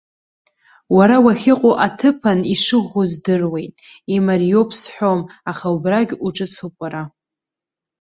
Уара уахьыҟоу аҭыԥан ишыӷәӷәоу здыруеит, имариоуп сҳәом, аха убрагь уҿыцуп уара.